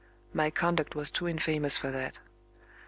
My conduct was too infamous for that.